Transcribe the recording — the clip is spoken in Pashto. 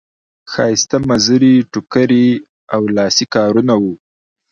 ښایسته مزري ټوکري او لاسي کارونه وو.